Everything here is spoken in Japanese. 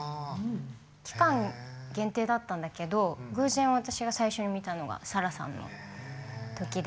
期間限定だったんだけど偶然私が最初に見たのがサラさんのときで。